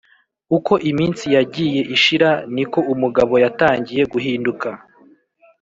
Uko iminsi yagiye ishira niko umugabo yatangiye guhinduka